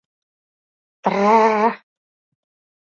Т-ы-ы-а-а-р-р.